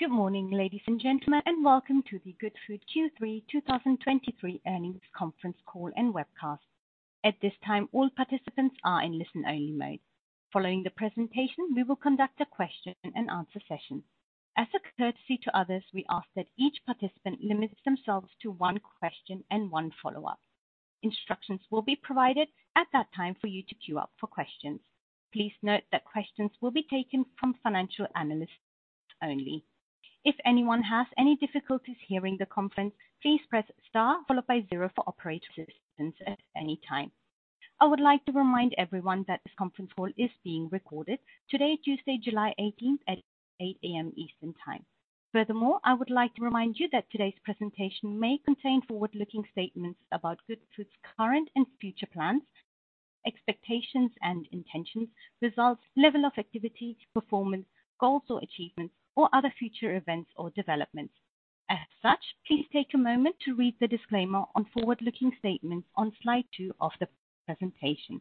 Good morning, ladies and gentlemen, welcome to the Goodfood Q3 2023 Earnings Conference Call and Webcast. At this time, all participants are in listen-only mode. Following the presentation, we will conduct a question-and-answer session. As a courtesy to others, we ask that each participant limits themselves to one question and one follow-up. Instructions will be provided at that time for you to queue up for questions. Please note that questions will be taken from financial analysts only. If anyone has any difficulties hearing the conference, please press Star followed by zero for operator assistance at any time. I would like to remind everyone that this conference call is being recorded today, Tuesday, 18 July, at 8:00 A.M. Eastern Time. I would like to remind you that today's presentation may contain forward-looking statements about Goodfood's current and future plans, expectations and intentions, results, level of activity, performance, goals or achievements, or other future events or developments. Please take a moment to read the disclaimer on forward-looking statements on slide 2 of the presentation.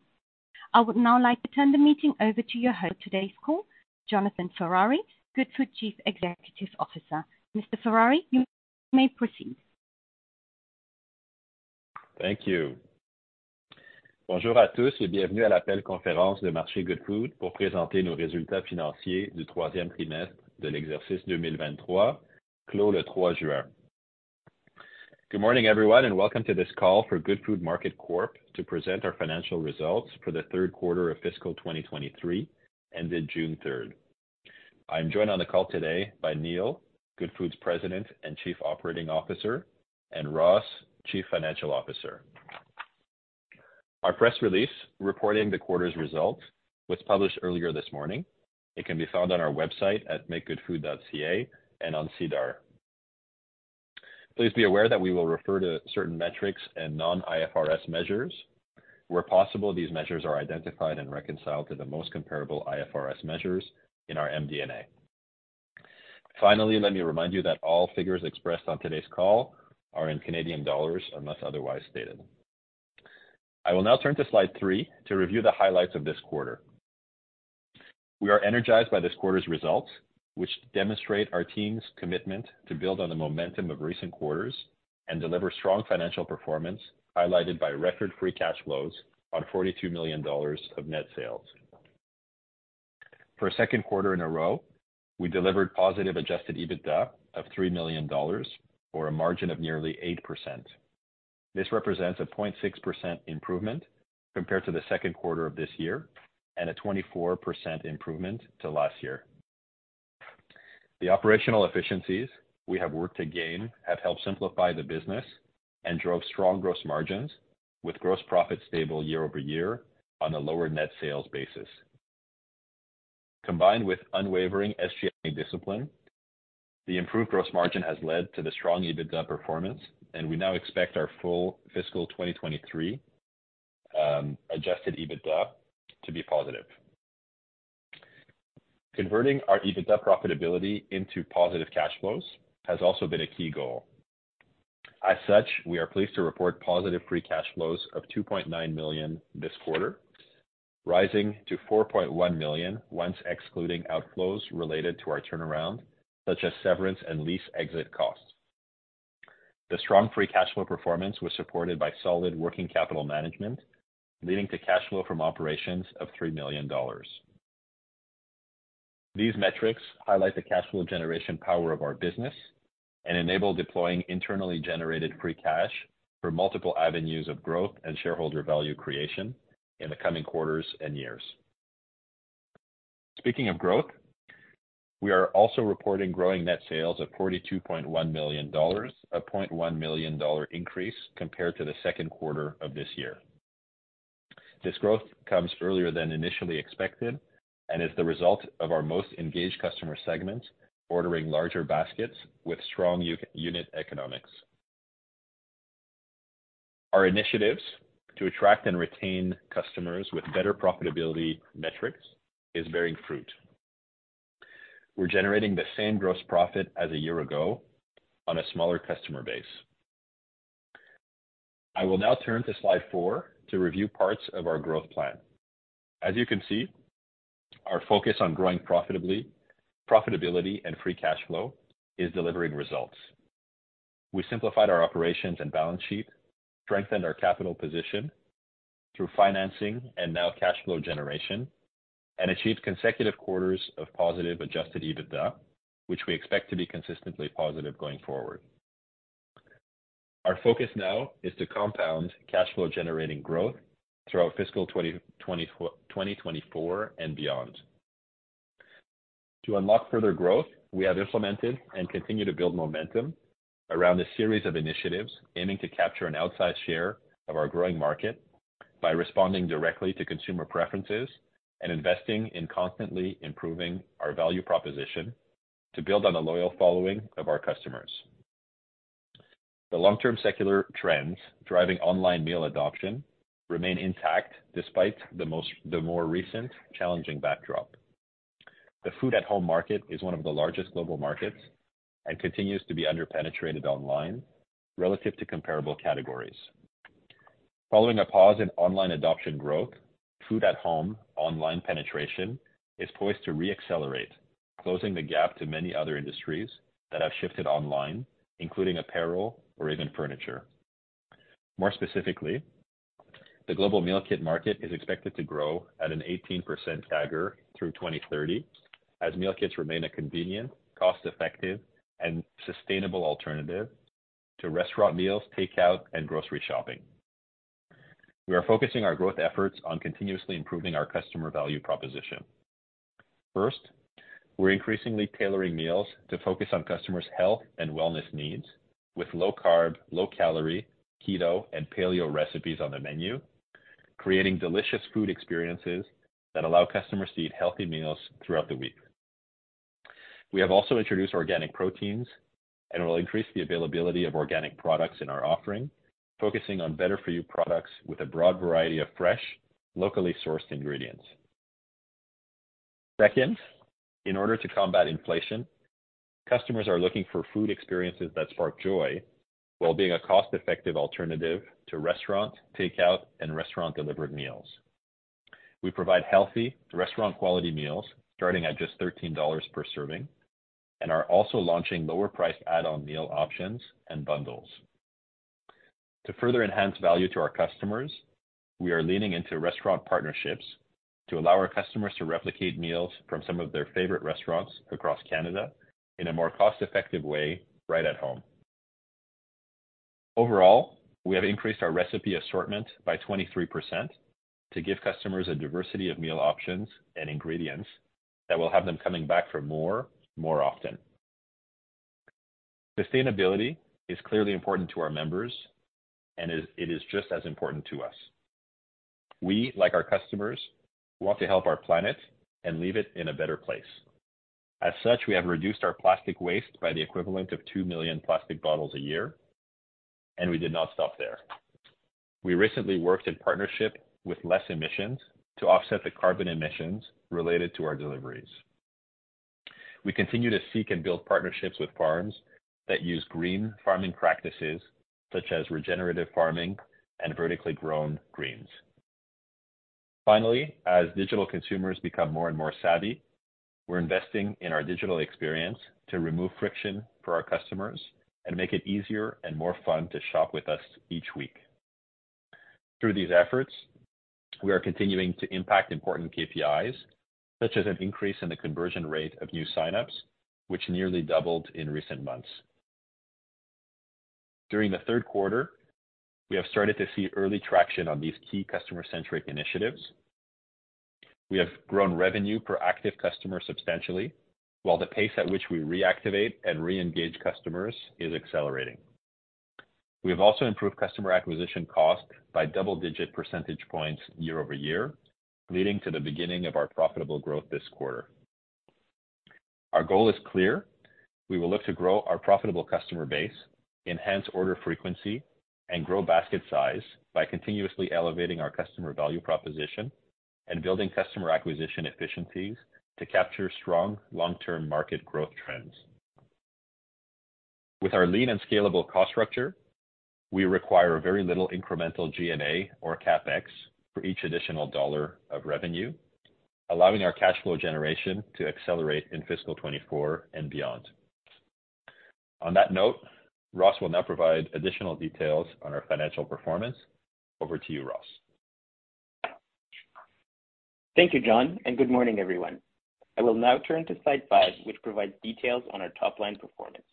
I would now like to turn the meeting over to your host for today's call, Jonathan Ferrari, Goodfood Chief Executive Officer. Mr. Ferrari, you may proceed. Thank you. Bonjour à tous et bienvenue à l'appel conférence de marché Goodfood pour présenter nos résultats financiers du troisième trimestre de l'exercice 2023, clos le 3 June. Good morning, everyone, welcome to this call for Goodfood Market Corp. to present our financial results for the third quarter of fiscal 2023, ended 3 June. I'm joined on the call today by Neil, Goodfood's President and Chief Operating Officer, and Ross, Chief Financial Officer. Our press release reporting the quarter's results was published earlier this morning. It can be found on our website at makegoodfood.ca and on SEDAR. Please be aware that we will refer to certain metrics and non-IFRS measures. Where possible, these measures are identified and reconciled to the most comparable IFRS measures in our MD&A. Finally, let me remind you that all figures expressed on today's call are in Canadian dollars, unless otherwise stated. I will now turn to slide three to review the highlights of this quarter. We are energized by this quarter's results, which demonstrate our team's commitment to build on the momentum of recent quarters and deliver strong financial performance, highlighted by record free cash flows on 42 million dollars of net sales. For a second quarter in a row, we delivered positive adjusted EBITDA of 3 million dollars, or a margin of nearly 8%. This represents a 0.6% improvement compared to the second quarter of this year and a 24% improvement to last year. The operational efficiencies we have worked to gain have helped simplify the business and drove strong gross margins, with gross profits stable year-over-year on a lower net sales basis. Combined with unwavering SG&A discipline, the improved gross margin has led to the strong EBITDA performance. We now expect our full fiscal 2023 adjusted EBITDA to be positive. Converting our EBITDA profitability into positive cash flows has also been a key goal. As such, we are pleased to report positive free cash flows of 2.9 million this quarter, rising to 4.1 million once excluding outflows related to our turnaround, such as severance and lease exit costs. The strong free cash flow performance was supported by solid working capital management, leading to cash flow from operations of 3 million dollars. These metrics highlight the cash flow generation power of our business and enable deploying internally generated free cash for multiple avenues of growth and shareholder value creation in the coming quarters and years. Speaking of growth, we are also reporting growing net sales of 42.1 million dollars, a 0.1 million dollar increase compared to the second quarter of this year. This growth comes earlier than initially expected and is the result of our most engaged customer segments, ordering larger baskets with strong unit economics. Our initiatives to attract and retain customers with better profitability metrics is bearing fruit. We're generating the same gross profit as a year ago on a smaller customer base. I will now turn to slide four to review parts of our growth plan. As you can see, our focus on growing profitability and free cash flow is delivering results. We simplified our operations and balance sheet, strengthened our capital position through financing and now cash flow generation, and achieved consecutive quarters of positive adjusted EBITDA, which we expect to be consistently positive going forward. Our focus now is to compound cash flow-generating growth throughout fiscal 2024 and beyond. To unlock further growth, we have implemented and continue to build momentum around a series of initiatives aiming to capture an outsized share of our growing market by responding directly to consumer preferences and investing in constantly improving our value proposition to build on the loyal following of our customers. The long-term secular trends driving online meal adoption remain intact despite the more recent challenging backdrop. The food-at-home market is one of the largest global markets and continues to be underpenetrated online relative to comparable categories. Following a pause in online adoption growth, food at home, online penetration is poised to reaccelerate, closing the gap to many other industries that have shifted online, including apparel or even furniture. More specifically, the global meal kit market is expected to grow at an 18% CAGR through 2030, as meal kits remain a convenient, cost-effective, and sustainable alternative to restaurant meals, takeout, and grocery shopping. We are focusing our growth efforts on continuously improving our customer value proposition. First, we're increasingly tailoring meals to focus on customers' health and wellness needs with low-carb, low-calorie, keto, and paleo recipes on the menu, creating delicious food experiences that allow customers to eat healthy meals throughout the week. We have also introduced organic proteins, and we'll increase the availability of organic products in our offering, focusing on better-for-you products with a broad variety of fresh, locally sourced ingredients. Second, in order to combat inflation, customers are looking for food experiences that spark joy while being a cost-effective alternative to restaurant, takeout, and restaurant-delivered meals. We provide healthy restaurant-quality meals starting at just 13 dollars per serving and are also launching lower-priced add-on meal options and bundles. To further enhance value to our customers, we are leaning into restaurant partnerships to allow our customers to replicate meals from some of their favorite restaurants across Canada in a more cost-effective way, right at home. Overall, we have increased our recipe assortment by 23% to give customers a diversity of meal options and ingredients that will have them coming back for more, more often. Sustainability is clearly important to our members, and it is just as important to us. We, like our customers, want to help our planet and leave it in a better place. As such, we have reduced our plastic waste by the equivalent of 2 million plastic bottles a year, and we did not stop there. We recently worked in partnership with Less Emissions to offset the carbon emissions related to our deliveries. We continue to seek and build partnerships with farms that use green farming practices, such as regenerative farming and vertically grown greens. Finally, as digital consumers become more and more savvy, we're investing in our digital experience to remove friction for our customers and make it easier and more fun to shop with us each week. Through these efforts, we are continuing to impact important KPIs, such as an increase in the conversion rate of new sign-ups, which nearly doubled in recent months. During the third quarter, we have started to see early traction on these key customer-centric initiatives. We have grown revenue per active customer substantially, while the pace at which we reactivate and reengage customers is accelerating. We have also improved customer acquisition cost by double-digit percentage points year-over-year, leading to the beginning of our profitable growth this quarter. Our goal is clear, we will look to grow our profitable customer base, enhance order frequency, and grow basket size by continuously elevating our customer value proposition and building customer acquisition efficiencies to capture strong long-term market growth trends. With our lean and scalable cost structure, we require very little incremental G&A or CapEx for each additional dollar of revenue, allowing our cash flow generation to accelerate in fiscal 2024 and beyond. On that note, Ross will now provide additional details on our financial performance. Over to you, Ross. Thank you, John. Good morning, everyone. I will now turn to slide 5, which provides details on our top-line performance.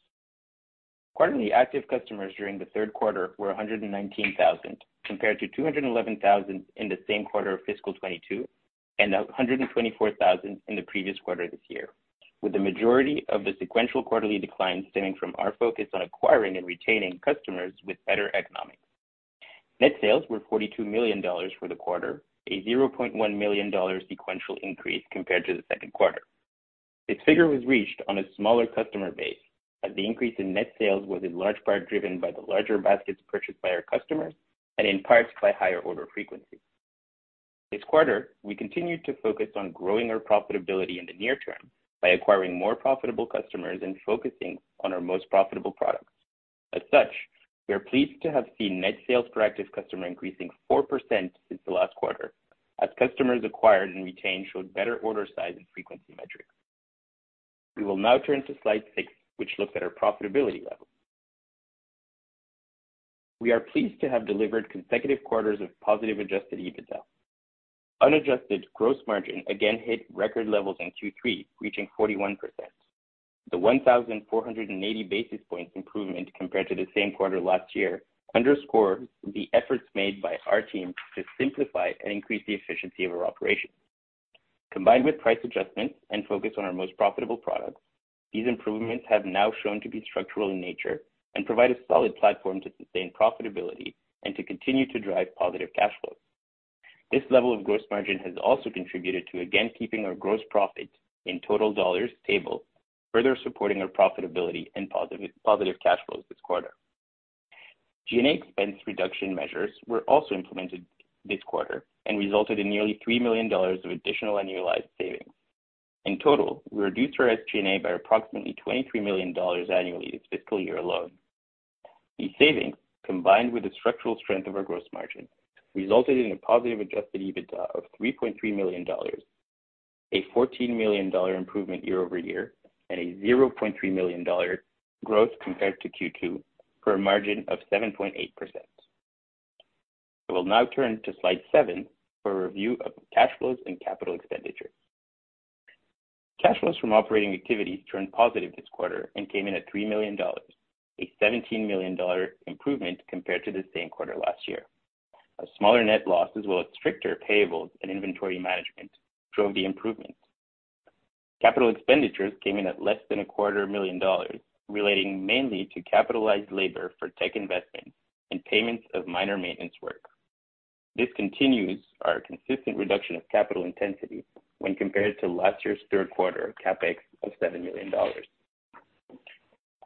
Quarterly active customers during the third quarter were 119,000, compared to 211,000 in the same quarter of fiscal 2022, and 124,000 in the previous quarter this year, with the majority of the sequential quarterly decline stemming from our focus on acquiring and retaining customers with better economics. Net sales were 42 million dollars for the quarter, a 0.1 million dollar sequential increase compared to the second quarter. This figure was reached on a smaller customer base, as the increase in net sales was in large part driven by the larger baskets purchased by our customers and in parts by higher order frequency. This quarter, we continued to focus on growing our profitability in the near term by acquiring more profitable customers and focusing on our most profitable products. As such, we are pleased to have seen net sales per active customer increasing 4% since the last quarter, as customers acquired and retained showed better order size and frequency metrics. We will now turn to slide six, which looks at our profitability level. We are pleased to have delivered consecutive quarters of positive adjusted EBITDA. Unadjusted gross margin again hit record levels in Q3, reaching 41%. The 1,480 basis points improvement compared to the same quarter last year underscores the efforts made by our team to simplify and increase the efficiency of our operations. Combined with price adjustments and focus on our most profitable products, these improvements have now shown to be structural in nature and provide a solid platform to sustain profitability and to continue to drive positive cash flows. This level of gross margin has also contributed to, again, keeping our gross profit in total dollars stable, further supporting our profitability and positive cash flows this quarter. G&A expense reduction measures were also implemented this quarter and resulted in nearly 3 million dollars of additional annualized savings. In total, we reduced our SG&A by approximately 23 million dollars annually this fiscal year alone. These savings, combined with the structural strength of our gross margin, resulted in a positive adjusted EBITDA of 3.3 million dollars, a 14 million dollar improvement year-over-year, and a 0.3 million dollar growth compared to Q2, for a margin of 7.8%. I will now turn to slide 7 for a review of cash flows and capital expenditures. Cash flows from operating activities turned positive this quarter and came in at 3 million dollars, a 17 million dollar improvement compared to the same quarter last year. A smaller net loss, as well as stricter payables and inventory management, drove the improvement. Capital expenditures came in at less than a quarter million dollars, relating mainly to capitalized labor for tech investments and payments of minor maintenance work. This continues our consistent reduction of capital intensity when compared to last year's third quarter CapEx of 7 million dollars.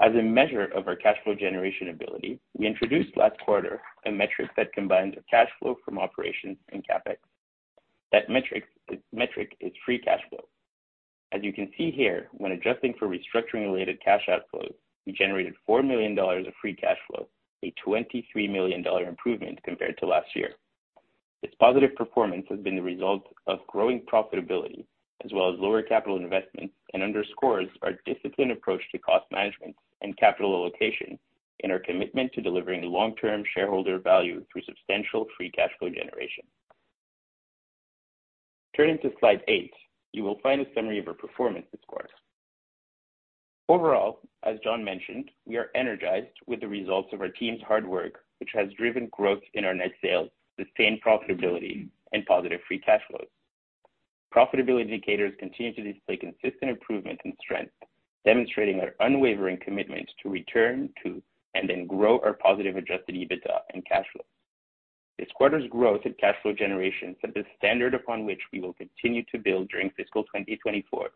As a measure of our cash flow generation ability, we introduced last quarter a metric that combines cash flow from operations and CapEx. That metric is free cash flow. As you can see here, when adjusting for restructuring-related cash outflows, we generated 4 million dollars of free cash flow, a 23 million dollar improvement compared to last year. This positive performance has been the result of growing profitability as well as lower capital investments, and underscores our disciplined approach to cost management and capital allocation, and our commitment to delivering long-term shareholder value through substantial free cash flow generation. Turning to slide 8, you will find a summary of our performance this quarter. Overall, as John mentioned, we are energized with the results of our team's hard work, which has driven growth in our net sales, sustained profitability, and positive free cash flows. Profitability indicators continue to display consistent improvement and strength, demonstrating our unwavering commitment to return to and then grow our positive adjusted EBITDA and cash flows. This quarter's growth in cash flow generation set the standard upon which we will continue to build during fiscal 2024,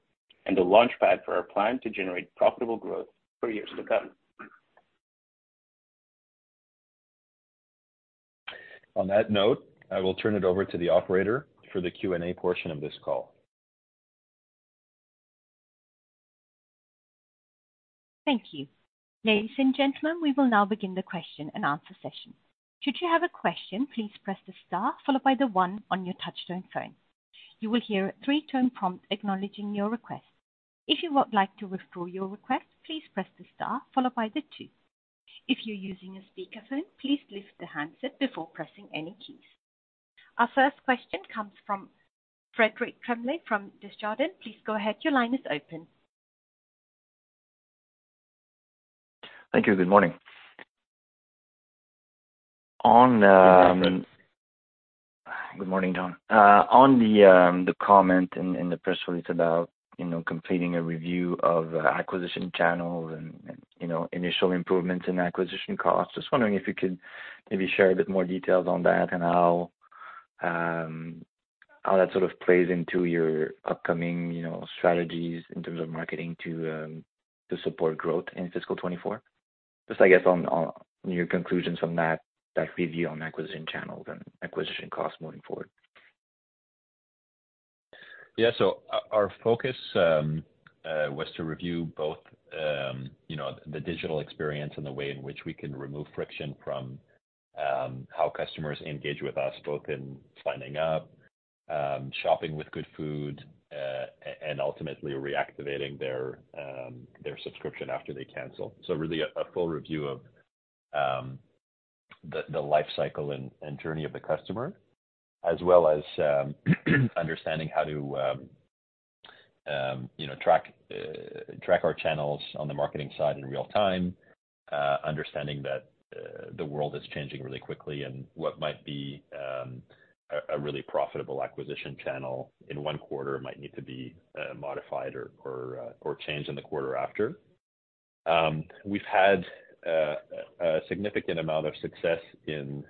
and the launch pad for our plan to generate profitable growth for years to come. On that note, I will turn it over to the operator for the Q&A portion of this call. Thank you. Ladies and gentlemen, we will now begin the question-and-answer session. Should you have a question, please press the star followed by the one on your touchtone phone. You will hear a three-tone prompt acknowledging your request. If you would like to withdraw your request, please press the star followed by the two. If you're using a speakerphone, please lift the handset before pressing any keys. Our first question comes from Frederic Tremblay from Desjardins. Please go ahead. Your line is open. Thank you. Good morning. Good morning, John. on the comment in the press release about, you know, completing a review of acquisition channels and, you know, initial improvements in acquisition costs, just wondering if you could maybe share a bit more details on that and how that sort of plays into your upcoming, you know, strategies in terms of marketing to support growth in fiscal 2024. Just, I guess, on your conclusions from that review on acquisition channels and acquisition costs moving forward. Our focus was to review both, you know, the digital experience and the way in which we can remove friction from how customers engage with us, both in signing up, shopping with Goodfood, and ultimately reactivating their subscription after they cancel. Really a full review of the life cycle and journey of the customer, as well as understanding how to, you know, track our channels on the marketing side in real time. Understanding that the world is changing really quickly, and what might be a really profitable acquisition channel in one quarter might need to be modified or, or changed in the quarter after. We've had a significant amount of success in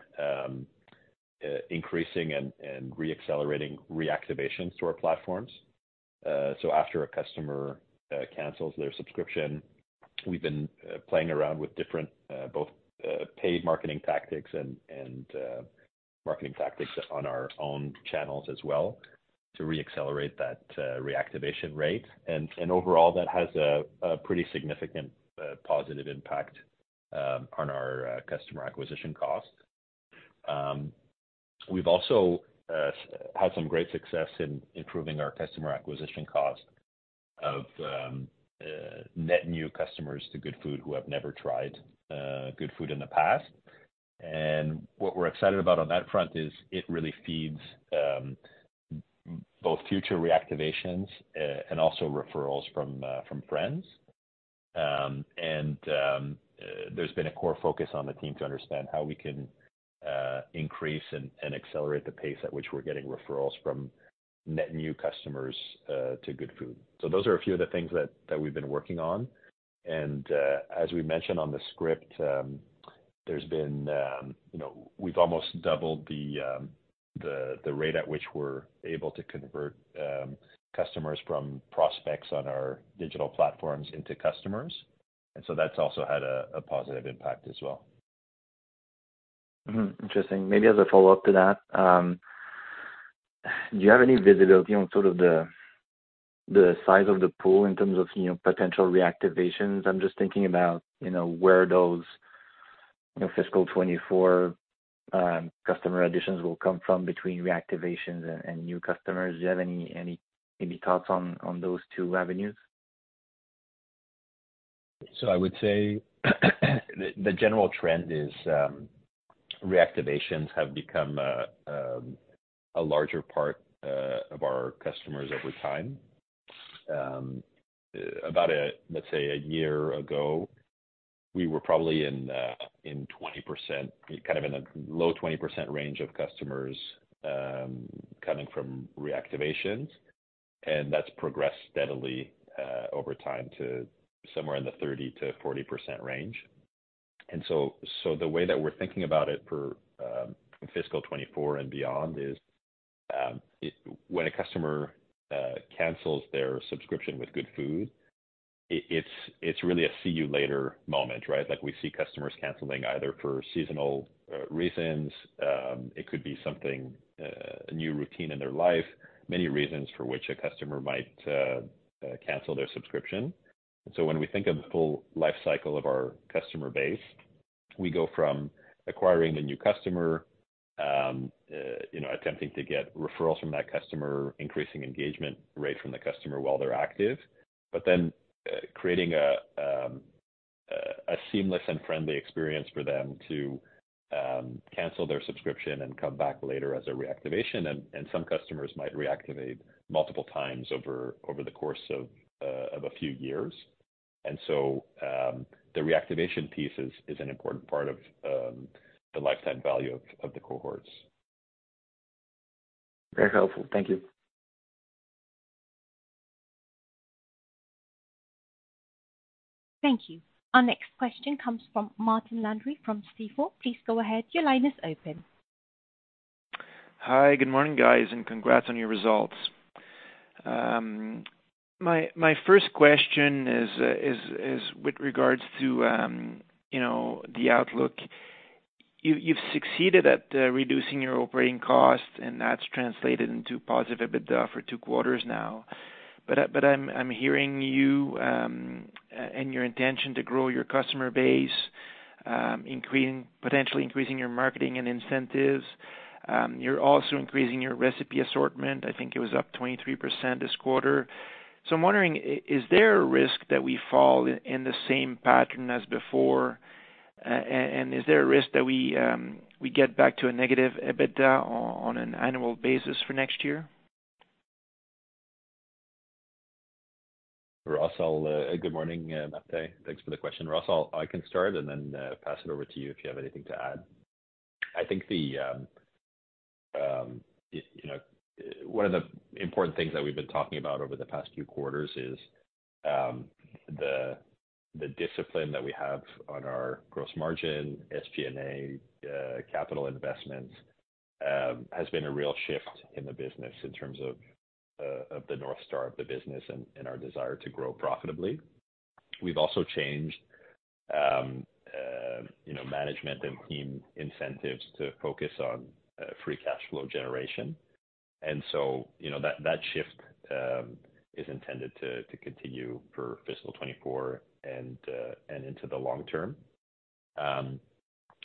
increasing and reaccelerating reactivations to our platforms. After a customer cancels their subscription, we've been playing around with different both paid marketing tactics and marketing tactics on our own channels as well, to reaccelerate that reactivation rate. Overall, that has a pretty significant positive impact on our customer acquisition costs. We've also had some great success in improving our customer acquisition cost of net new customers to Goodfood who have never tried Goodfood in the past. What we're excited about on that front is it really feeds both future reactivations and also referrals from friends. There's been a core focus on the team to understand how we can increase and accelerate the pace at which we're getting referrals from net new customers to Goodfood. Those are a few of the things that we've been working on. As we mentioned on the script, you know, we've almost doubled the rate at which we're able to convert customers from prospects on our digital platforms into customers, and so that's also had a positive impact as well. Interesting. Maybe as a follow-up to that, do you have any visibility on sort of the size of the pool in terms of, you know, potential reactivations? I'm just thinking about, you know, where those, you know, fiscal 24 customer additions will come from between reactivations and new customers. Do you have any thoughts on those two avenues? I would say, the general trend is, reactivations have become a larger part of our customers over time. About, let's say, a year ago, we were probably in 20%, kind of in a low 20% range of customers, coming from reactivations, and that's progressed steadily over time to somewhere in the 30%-40% range. The way that we're thinking about it for fiscal 2024 and beyond is, when a customer cancels their subscription with Goodfood, it's really a see you later moment, right? We see customers canceling either for seasonal reasons, it could be something, a new routine in their life, many reasons for which a customer might cancel their subscription. When we think of the full life cycle of our customer base, we go from acquiring the new customer, you know, attempting to get referrals from that customer, increasing engagement rate from the customer while they're active, creating a seamless and friendly experience for them to cancel their subscription and come back later as a reactivation. Some customers might reactivate multiple times over the course of a few years. The reactivation piece is an important part of the lifetime value of the cohorts. Very helpful. Thank you. Thank you. Our next question comes from Martin Landry from Stifel. Please go ahead. Your line is open. Hi, good morning, guys, and congrats on your results. My first question is with regards to, you know, the outlook. You've succeeded at reducing your operating costs, and that's translated into positive EBITDA for two quarters now. I'm hearing you, and your intention to grow your customer base, potentially increasing your marketing and incentives. You're also increasing your recipe assortment. I think it was up 23% this quarter. I'm wondering, is there a risk that we fall in the same pattern as before? Is there a risk that we get back to a negative EBITDA on an annual basis for next year? Ross, I'll. Good morning, Martin. Thanks for the question. Ross, I can start and then pass it over to you if you have anything to add. I think the, you know, one of the important things that we've been talking about over the past few quarters is the discipline that we have on our gross margin, SG&A, capital investments, has been a real shift in the business in terms of the North Star of the business and our desire to grow profitably. We've also changed, you know, management and team incentives to focus on free cash flow generation. You know, that shift is intended to continue for fiscal 2024 and into the long term.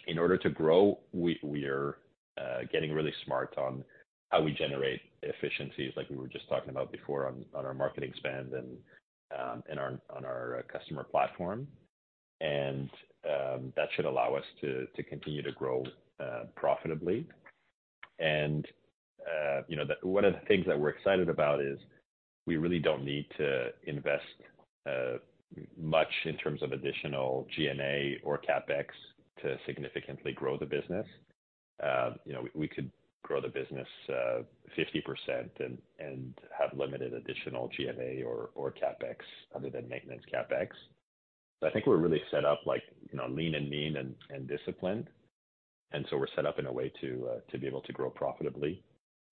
In order to grow, we are getting really smart on how we generate efficiencies, like we were just talking about before on our marketing spend and on our customer platform, that should allow us to continue to grow profitably. You know, one of the things that we're excited about is, we really don't need to invest much in terms of additional G&A or CapEx to significantly grow the business. You know, we could grow the business 50% and have limited additional G&A or CapEx other than maintenance CapEx. I think we're really set up like, you know, lean and mean and disciplined, we're set up in a way to be able to grow profitably.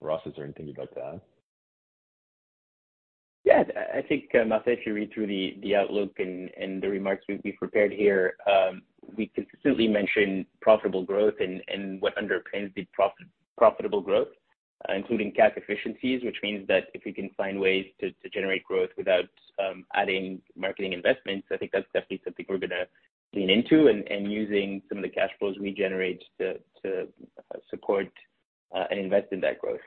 Ross, is there anything you'd like to add? Yeah. I think Martin, if you read through the outlook and the remarks we've prepared here, we consistently mention profitable growth and what underpins the profitable growth, including cash efficiencies, which means that if we can find ways to generate growth without adding marketing investments, I think that's definitely something we're gonna lean into and using some of the cash flows we generate to support and invest in that growth.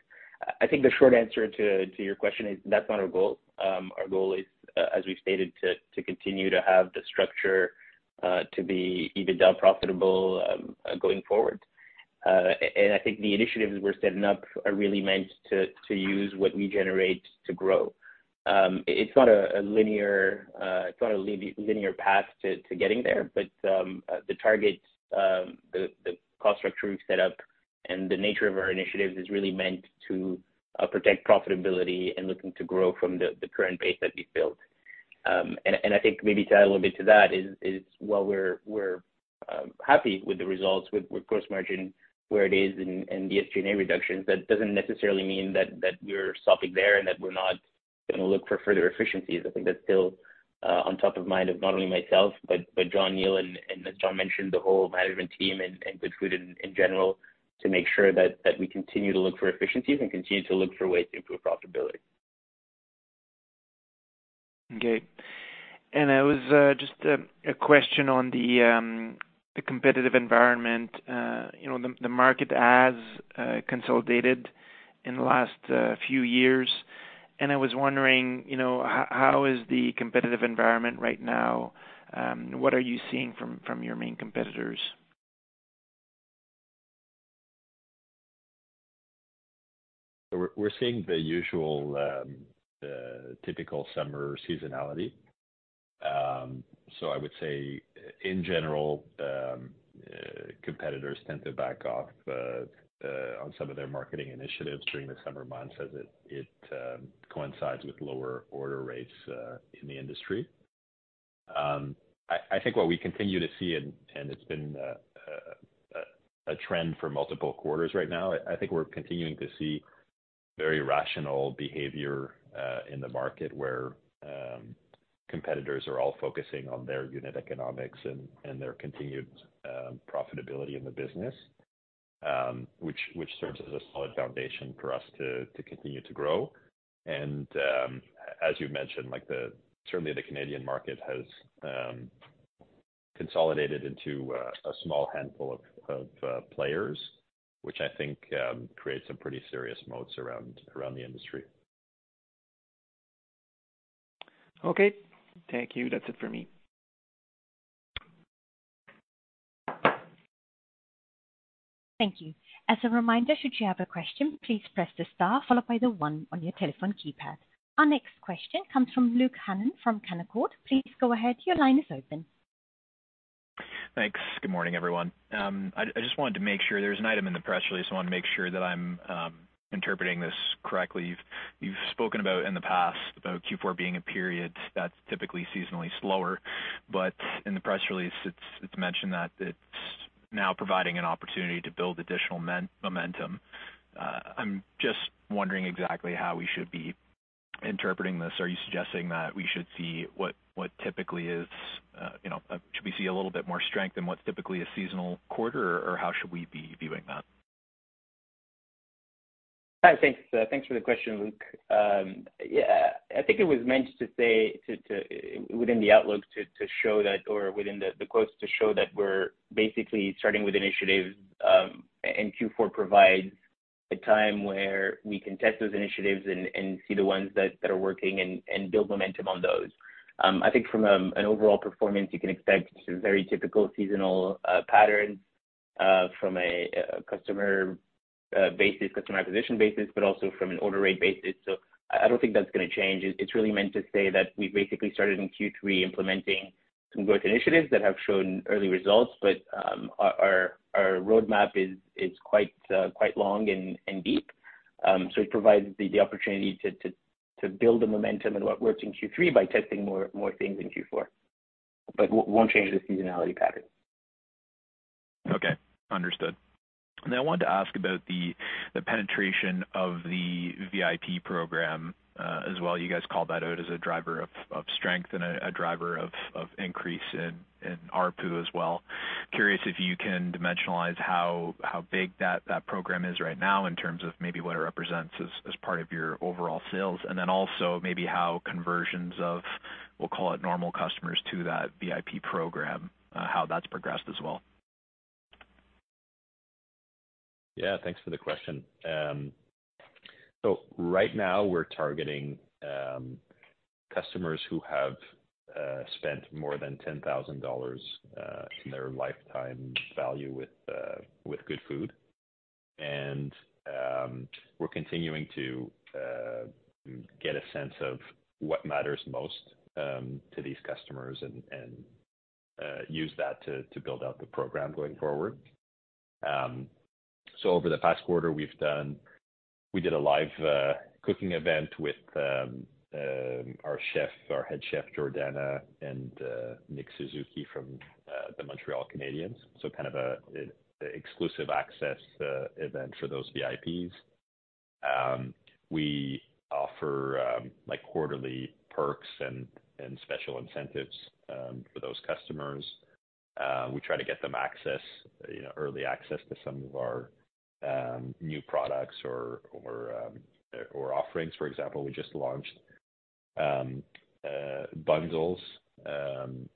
I think the short answer to your question is, that's not our goal. Our goal is, as we've stated, to continue to have the structure to be EBITDA profitable going forward. I think the initiatives we're setting up are really meant to use what we generate to grow. It's not a linear, it's not a linear path to getting there. The targets, the cost structure we've set up and the nature of our initiatives is really meant to protect profitability and looking to grow from the current base that we've built. I think maybe to add a little bit to that is while we're happy with the results, with gross margin where it is and the SG&A reductions, that doesn't necessarily mean that we're stopping there, and that we're not gonna look for further efficiencies. I think that's still on top of mind of not only myself, but Neil Cuggy, and as John mentioned, the whole management team and Goodfood in general, to make sure that we continue to look for efficiencies and continue to look for ways to improve profitability. Okay. I was just a question on the competitive environment. You know, the market has consolidated in the last few years, and I was wondering, you know, how is the competitive environment right now? What are you seeing from your main competitors? We're seeing the usual, typical summer seasonality. I would say in general, competitors tend to back off on some of their marketing initiatives during the summer months as it coincides with lower order rates in the industry. I think what we continue to see, and it's been a trend for multiple quarters right now, I think we're continuing to see very rational behavior in the market, where competitors are all focusing on their unit economics and their continued profitability in the business, which serves as a solid foundation for us to continue to grow. As you've mentioned, like certainly the Canadian market has consolidated into a small handful of players, which I think creates some pretty serious moats around the industry. Okay. Thank you. That's it for me. Thank you. As a reminder, should you have a question, please press the star followed by the one on your telephone keypad. Our next question comes from Luke Hannan from Canaccord. Please go ahead. Your line is open. Thanks. Good morning, everyone. I just wanted to make sure there's an item in the press release. I want to make sure that I'm interpreting this correctly. You've spoken about in the past about Q4 being a period that's typically seasonally slower, but in the press release, it's mentioned that it's now providing an opportunity to build additional momentum. I'm just wondering exactly how we should be interpreting this. Are you suggesting that we should see what typically is, you know, should we see a little bit more strength than what's typically a seasonal quarter, or how should we be viewing that? Hi, thanks. Thanks for the question, Luke. Yeah, I think it was meant to say to within the outlook, to show that or within the quotes, to show that we're basically starting with initiatives, and Q4 provides a time where we can test those initiatives and see the ones that are working and build momentum on those. I think from an overall performance, you can expect a very typical seasonal pattern from a customer basis, customer acquisition basis, but also from an order rate basis. I don't think that's gonna change. It's really meant to say that we basically started in Q3, implementing some growth initiatives that have shown early results. Our roadmap is quite long and deep. It provides the opportunity to build the momentum and what works in Q3 by testing more things in Q4, but won't change the seasonality pattern. Okay. Understood. I wanted to ask about the penetration of the VIP program as well. You guys called that out as a driver of strength and a driver of increase in ARPU as well. Curious if you can dimensionalize how big that program is right now in terms of maybe what it represents as part of your overall sales, and then also maybe how conversions of, we'll call it, normal customers to that VIP program, how that's progressed as well? Thanks for the question. Right now we're targeting customers who have spent more than 10,000 dollars in their lifetime value with Goodfood. We're continuing to get a sense of what matters most to these customers and use that to build out the program going forward. Over the past quarter, we did a live cooking event with our chef, our head chef, Jordana, and Nick Suzuki from the Montreal Canadiens. Kind of a exclusive access event for those VIPs. We offer like quarterly perks and special incentives for those customers. We try to get them access, you know, early access to some of our new products or offerings. For example, we just launched bundles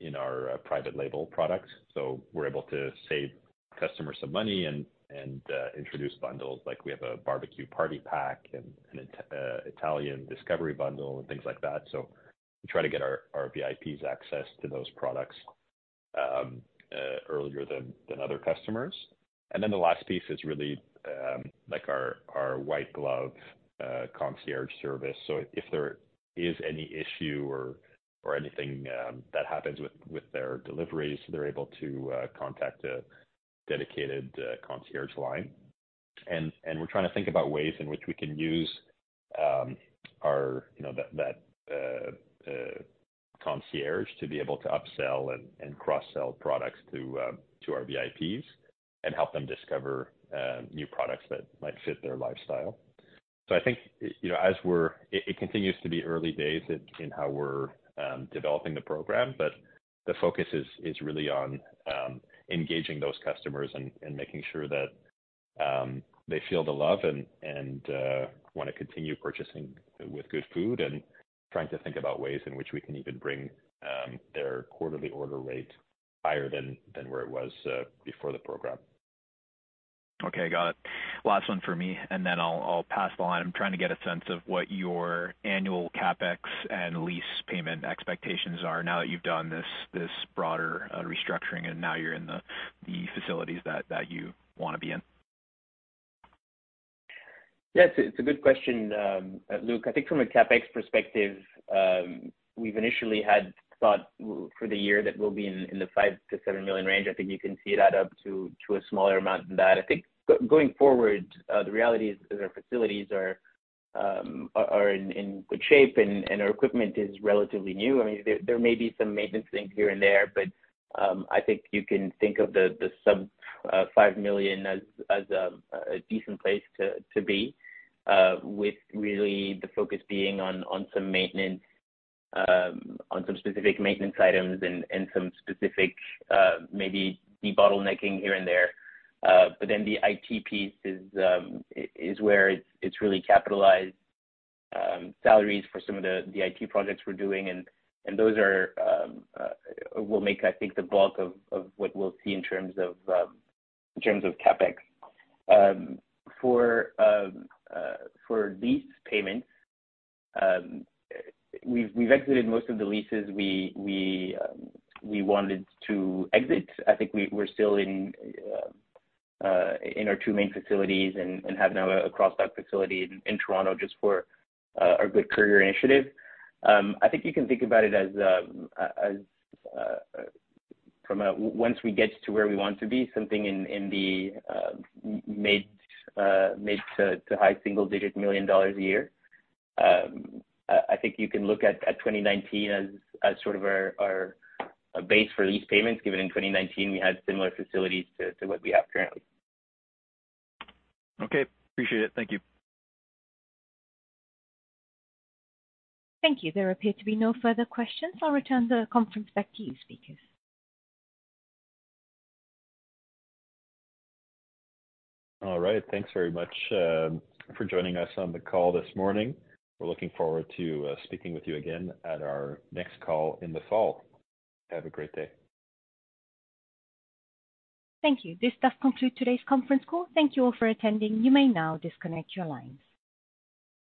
in our private label products. We're able to save customers some money and introduce bundles. Like we have a barbecue party pack and an Italian discovery bundle and things like that. We try to get our VIPs access to those products earlier than other customers. The last piece is really like our white glove concierge service. If there is any issue or anything that happens with their deliveries, they're able to contact a dedicated concierge line. We're trying to think about ways in which we can use our, you know concierge to be able to upsell and cross-sell products to our VIPs and help them discover new products that might fit their lifestyle. I think, you know, as we're, it continues to be early days in how we're developing the program, but the focus is really on engaging those customers and making sure that they feel the love and want to continue purchasing with Goodfood, and trying to think about ways in which we can even bring their quarterly order rate higher than where it was before the program. Okay, got it. Last one for me, and then I'll pass the line. I'm trying to get a sense of what your annual CapEx and lease payment expectations are now that you've done this broader restructuring, and now you're in the facilities that you want to be in. Yes, it's a good question, Luke. I think from a CapEx perspective, we've initially had thought for the year that we'll be in the 5 million-7 million range. I think you can see it add up to a smaller amount than that. I think going forward, the reality is our facilities are in good shape and our equipment is relatively new. I mean, there may be some maintenance things here and there, but I think you can think of the sub 5 million as a decent place to be, with really the focus being on some maintenance, on some specific maintenance items and some specific maybe debottlenecking here and there. The IT piece is where it's really capitalized, salaries for some of the IT projects we're doing, and those are will make, I think, the bulk of what we'll see in terms of in terms of CapEx. For lease payments, we've exited most of the leases we wanted to exit. I think we're still in our two main facilities and have now a cross-dock facility in Toronto just for our Goodfood Courier initiative. I think you can think about it as once we get to where we want to be, something in the mid to high single digit million dollars a year.I think you can look at 2019 as sort of our base for lease payments, given in 2019 we had similar facilities to what we have currently. Okay, appreciate it. Thank you. Thank you. There appear to be no further questions. I'll return the conference back to you, speakers. All right. Thanks very much for joining us on the call this morning. We're looking forward to speaking with you again at our next call in the fall. Have a great day. Thank you. This does conclude today's conference call. Thank you all for attending. You may now disconnect your lines.